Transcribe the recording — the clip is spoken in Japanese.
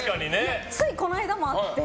ついこの間もあって。